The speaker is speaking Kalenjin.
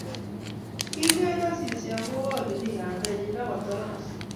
Kinget Asisi akowo ole mi kamenyi akotoroch